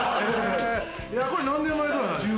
これ何年前ぐらいなんですか？